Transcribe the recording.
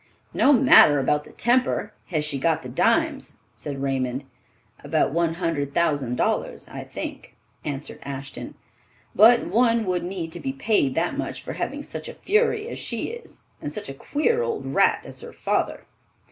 "No matter about the temper—has she got the dimes?" said Raymond. "About one hundred thousand dollars, I think," answered Ashton; "but one would need to be paid that much for having such a fury as she is, and such a queer old rat as her father."